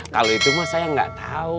kalau itu mah saya gak tau